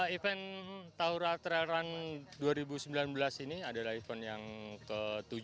event taura trail run dua ribu sembilan belas ini adalah event yang ke tujuh